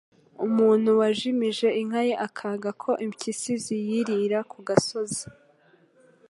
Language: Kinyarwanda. Umuntu wajimije inka ye akanga ko impyisi ziyirira ku gasozi,